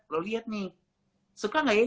lo lihat nih suka gak ya